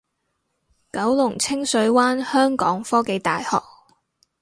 九龍清水灣香港科技大學